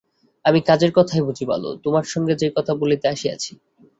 আমি কাজের কথাই বুঝি ভালো–তোমার সঙ্গে সেই কথাই বলিতে আসিয়াছি।